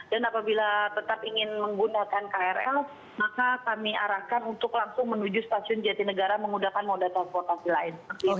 dan apabila tetap ingin menggunakan krl maka kami arahkan untuk langsung menuju stasiun jati negara menggunakan modal transportasi lain